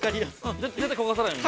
◆絶対焦がさないように。